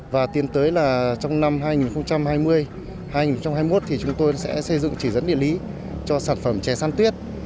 và tiến tới là trong năm hai nghìn hai mươi hai nghìn hai mươi một thì chúng tôi sẽ xây dựng chỉ dẫn địa lý cho sản phẩm chè san tuyết